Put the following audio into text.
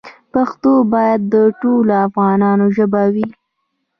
پښتو باید د ټولو افغانانو ژبه وي.